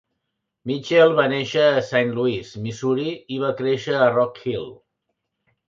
Mitchell va néixer a Saint Louis, Missouri i va créixer a Rock Hill.